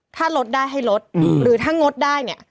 ถ้าลดได้ให้ลดหรือถ้างดได้เนี่ย